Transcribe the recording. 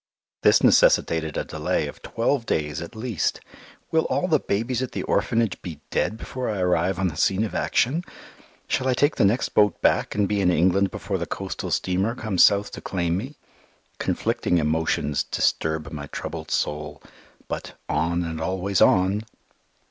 This necessitated a delay of twelve days at least. Will all the babies at the Orphanage be dead before I arrive on the scene of action? Shall I take the next boat back and be in England before the coastal steamer comes south to claim me? Conflicting emotions disturb my troubled soul, but "on and always on!"